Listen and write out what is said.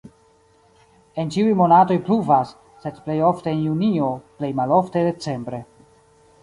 En ĉiuj monatoj pluvas, sed plej ofte en junio, plej malofte decembre.